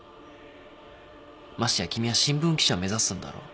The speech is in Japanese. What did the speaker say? ましてや君は新聞記者目指すんだろ？